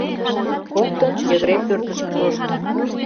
Коктын йыгыре пӧртыш пурышт.